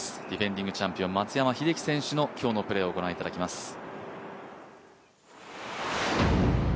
ディフェンディングチャンピオン、松山英樹選手の今日のプレーを御覧いただきます。